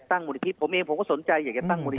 มูลนิธิผมเองผมก็สนใจอยากจะตั้งมูลนิธิ